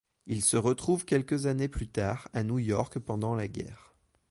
Ils se retrouvent quelques années plus tard à New York pendant la guerre.